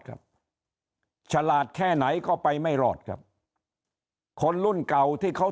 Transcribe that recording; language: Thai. ครับฉลาดแค่ไหนก็ไปไม่รอดครับคนรุ่นเก่าที่เขา